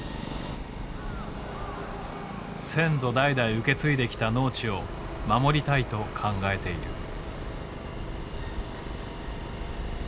先祖代々受け継いできた農地を守りたいと考えている。